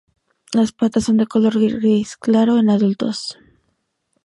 Las patas son de color gris claro en adultos.